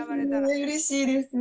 うれしいです。